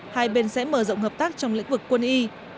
hai bên sẽ mở rộng hợp tác trong lĩnh vực quân y